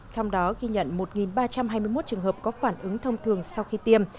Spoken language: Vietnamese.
trong đó ghi nhận một ba trăm hai mươi một trường hợp có phản ứng thông thường sau khi tiêm